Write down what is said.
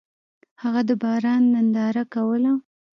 هغه د باران ننداره کوله.